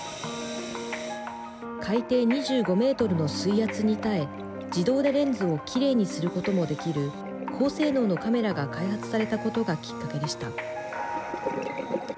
海底２５メートルの水圧に耐え自動でレンズをきれいにすることもできる高性能のカメラが開発されたことがきっかけでした。